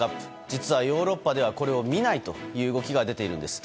実は、ヨーロッパではこれを見ないという動きが出ているんです。